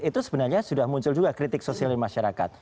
itu sebenarnya sudah muncul juga kritik sosial di masyarakat